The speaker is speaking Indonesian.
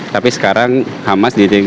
tapi sekarang hamas jadi